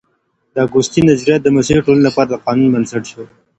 د اګوستين نظريات د مسيحي ټولنو لپاره د قانون بنسټ سو.